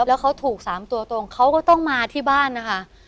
แล้วเขาถูก๓ตัวตรงเขาก็ต้องมาที่บ้านนะคะ